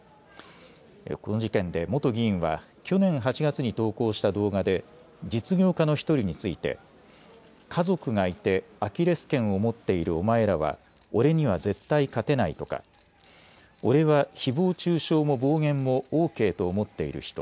この事件で元議員は去年８月に投稿した動画で実業家の１人について家族がいてアキレスけんを持っているお前らは俺には絶対勝てないとか俺はひぼう中傷も暴言もＯＫと思っている人。